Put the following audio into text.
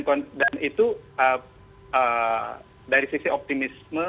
konten itu up dari sisi optimisme